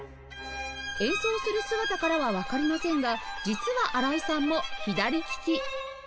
演奏する姿からはわかりませんが実は荒井さんも左きき